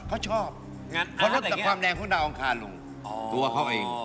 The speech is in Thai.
เค้าชอบคนตลกเฮฮฮาสนุกสนาน